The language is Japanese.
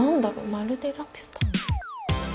「まるでラピュタ」？